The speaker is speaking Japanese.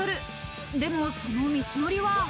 でも、その道のりは。